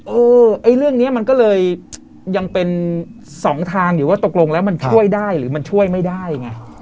เออไอ้เรื่องนี้มันก็เลยยังเป็นสองทางอยู่ว่าตกลงแล้วมันช่วยได้หรือมันช่วยไม่ได้ไง